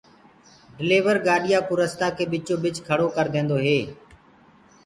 ڊليور گآڏِيآ ڪو رستآ ڪي ٻچو ٻچ کيڙو ڪر ديندوئي